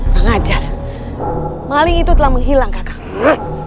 pengajar maling itu telah menghilangkan mana dia membutuhkan dia